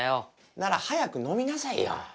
なら早くのみなさいよ。